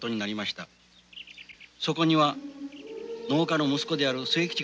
そこには農家の息子であるせいきち